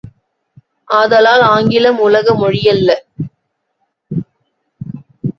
ஆதலால் ஆங்கிலம் உலக மொழியல்ல!